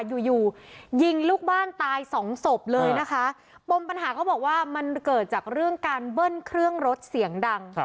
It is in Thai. อยู่อยู่ยิงลูกบ้านตายสองศพเลยนะคะปมปัญหาเขาบอกว่ามันเกิดจากเรื่องการเบิ้ลเครื่องรถเสียงดัง